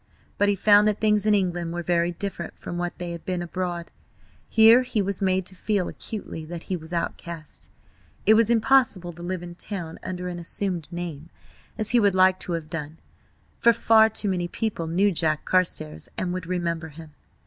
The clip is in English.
But he found that things in England were very different from what they had been abroad. Here he was made to feel acutely that he was outcast. It was impossible to live in town under an assumed name, as he would like to have done, for too many people knew Jack Carstares, and would remember him.